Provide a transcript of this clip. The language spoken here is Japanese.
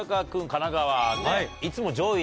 神奈川はね。